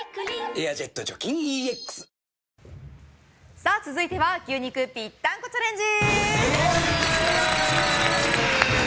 「エアジェット除菌ＥＸ」続いては牛肉ぴったんこチャレンジ！